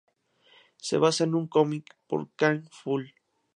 Se basa en un cómic por Kang Full.